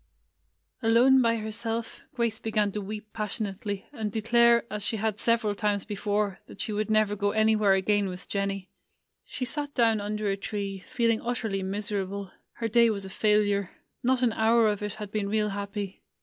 Alone by herself, Grace began to weep pas sionately, and declare, as she had several times before, that she never would go any where again with Jennie. She sat down under a tree, feeling utterly miserable. Her day was a failure. Not an hour of it had been real happy.